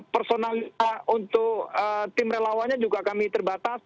personal untuk tim relawannya juga kami terbatas